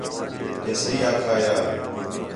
کہ صحیح آکھایا